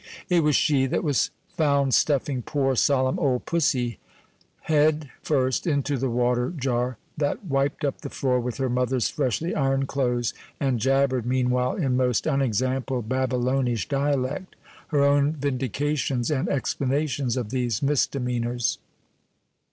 It was she that was found stuffing poor, solemn old pussy head first into the water jar, that wiped up the floor with her mother's freshly ironed clothes, and jabbered meanwhile, in most unexampled Babylonish dialect, her own vindications and explanations of these misdemeanors.